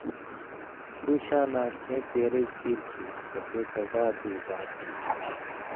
ݜُو شاناں کېں تېرئ کیریۡ کھیں تسے سزا دیُوژا تھی۔